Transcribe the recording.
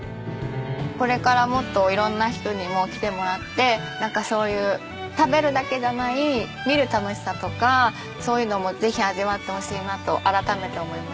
これからもっと色んな人にも来てもらってなんかそういう食べるだけじゃない見る楽しさとかそういうのもぜひ味わってほしいなと改めて思いました。